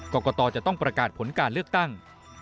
กรกตจะต้องประกาศผลการเลือกตั้ง